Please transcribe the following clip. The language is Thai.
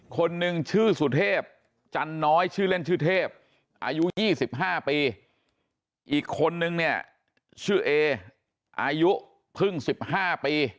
คนหนึ่งชื่อสุเทพจันน้อยชื่อเล่นชื่อเทพอายุ๒๕ปีอีกคนนึงเนี่ยชื่อเออายุเพิ่ง๑๕ปี